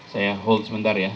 saya hold sebentar ya